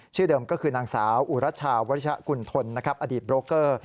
ชื่อเดิมก็คือนางสาวอุรัชชาวัชกุณฑลอดีตโบรกเกอร์